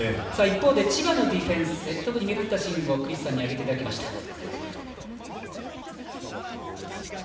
一方で、千葉のディフェンス特に目立ったシーンをクリスさんに挙げていただきました。